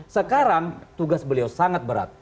sekarang tugas beliau sangat berat